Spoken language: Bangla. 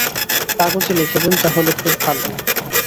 কাগজে লিখে দেন, তাহলে খুব ভালো।